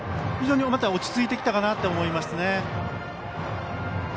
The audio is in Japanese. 非常に落ち着いてきたかなと思いますね。